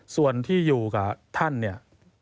ส่วนที่อยู่กับท่านเนี่ย